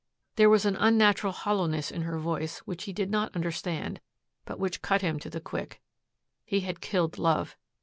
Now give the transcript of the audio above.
There was an unnatural hollowness in her voice which he did not understand, but which cut him to the quick. He had killed love.